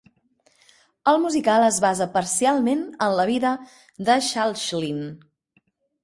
El musical es basa parcialment en la vida de Schalchlin.